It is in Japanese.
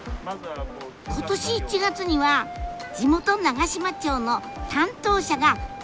今年１月には地元長島町の担当者が現場を訪問。